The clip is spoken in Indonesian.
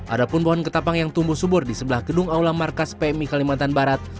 ada pun pohon ketapang yang tumbuh subur di sebelah gedung aula markas pmi kalimantan barat